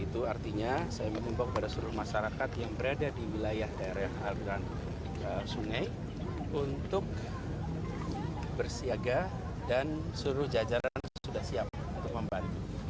itu artinya saya mengimbau kepada seluruh masyarakat yang berada di wilayah daerah aliran sungai untuk bersiaga dan seluruh jajaran sudah siap untuk membantu